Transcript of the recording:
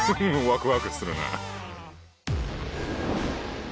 ワクワクするな！